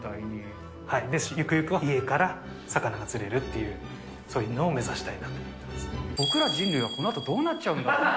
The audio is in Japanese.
で、ゆくゆくは家から魚が釣れるという、そういうのを目指したいなと僕ら人類は、このあとどうなっちゃうんだろ？